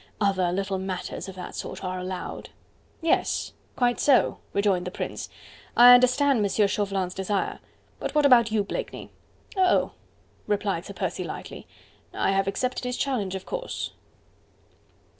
other little matters of that sort are allowed." "Yes! quite so!" rejoined the Prince, "I understand M. Chauvelin's desire. ... But what about you, Blakeney?" "Oh!" replied Sir Percy lightly, "I have accepted his challenge, of course!"